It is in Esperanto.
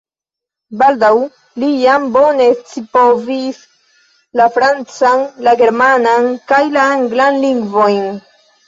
Baldaŭ li jam bone scipovis la francan, la germanan kaj la anglan lingvojn.